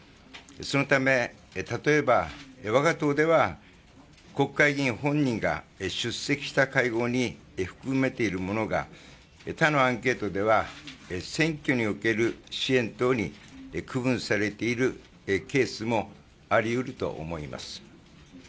そのため、例えば我が党では国会議員本人が出席した会合に含めているものが他のアンケートでは選挙における支援等に区分されているケースもありうると思います。